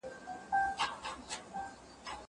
زه به اوږده موده پلان جوړ کړی وم!؟